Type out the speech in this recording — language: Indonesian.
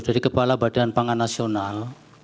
dari kepala badan pangan nasional